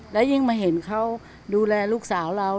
และยิ่งมาเห็นเขาดูแลลูกสาวเรา